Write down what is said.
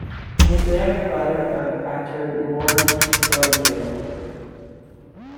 He is the younger brother of actor Lorne Berfield.